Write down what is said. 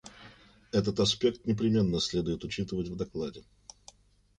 Этот аспект непременно следует учитывать в докладе.